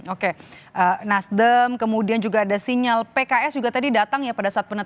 oke nasdem kemudian juga ada sinyal pks juga tadi datang ya pada saat penetapan